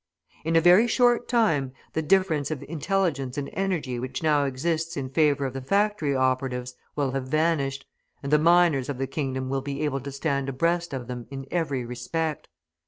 In a very short time the difference of intelligence and energy which now exists in favour of the factory operatives will have vanished, and the miners of the kingdom will be able to stand abreast of them in every respect.